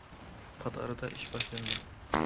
پات ئارىدا ئىش باشلىنىدۇ.